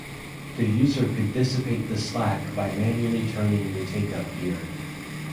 The user could dissipate the slack by manually turning the take-up gear.